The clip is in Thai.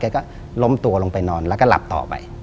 ก็ล้มตัวลงไปนอนแล้วก็หลับต่อไป